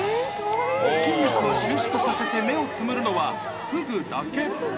筋肉を収縮させて目をつむるのはフグだけ。